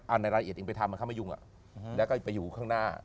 อันในรายละเอียดไปทำมันไม่ยุ่งแล้วก็ไปอยู่ข้างหน้า